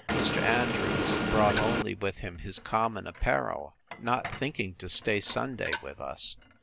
Mr. Andrews brought only with him his common apparel, not thinking to stay Sunday with us.